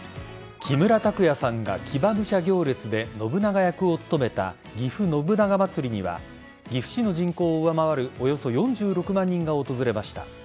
木村拓哉さんが騎馬武者行列で信長役を務めたぎふ信長まつりには岐阜市の人口を上回るおよそ４６万人が訪れました。